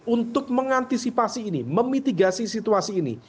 untuk mengantisipasi ini memitigasi situasi ini